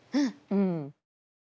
うん。